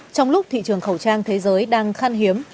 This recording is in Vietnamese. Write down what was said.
trong lúc thị trường khẩu trang thế giới đang khăn hiếm